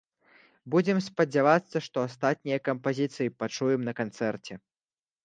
Будзем спадзявацца, што астатнія кампазіцыі пачуем на канцэрце.